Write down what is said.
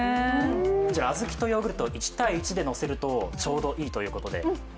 小豆とヨーグルト１対１でのせるとちょうどいいということで。